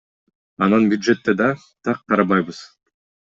Анан бюджетте да так карабайбыз.